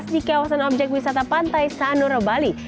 di kawasan objek wisata pantai sanur bali